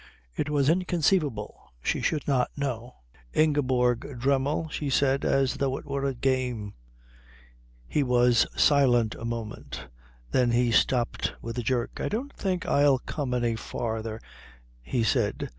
It was inconceivable she should not know. "Ingeborg Dremmel," she said, as though it were a game. He was silent a moment. Then he stopped with a jerk. "I don't think I'll come any farther," he said.